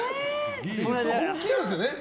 本気なんですよね？